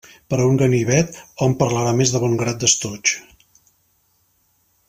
Per a un ganivet, hom parlarà més de bon grat d'estoig.